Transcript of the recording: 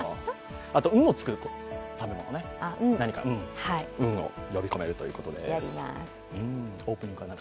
あと、んのつく食べ物ね、運を呼び込めるということです。